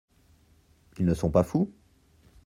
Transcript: Ils ne sont pas fous ?